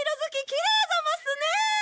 きれいざますね！